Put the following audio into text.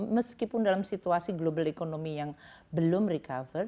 meskipun dalam situasi global economy yang belum recover